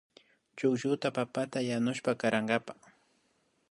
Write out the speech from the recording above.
Chuklluta papata yanushpa karankapa